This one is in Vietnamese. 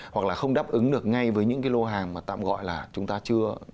hoặc là không đáp ứng được ngay với những cái lô hàng mà tạm gọi là chúng ta chưa